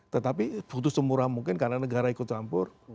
tetapi putus semurah mungkin karena negara ikut campur